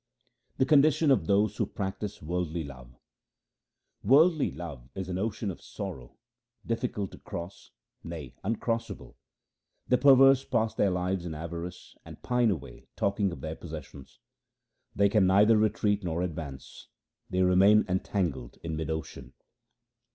The condition of those who practise worldly love .— Worldly love is an ocean of sorrow, difficult to cross, nay, uncrossable. The perverse pass their lives in avarice and pine away talking of their possessions. They can neither retreat nor advance ; they remain entangled in mid ocean.